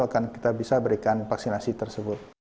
akan kita bisa berikan vaksinasi tersebut